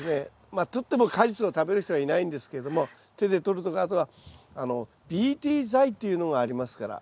まあ捕っても果実を食べる人はいないんですけども手で捕るとかあとはＢＴ剤っていうのがありますから。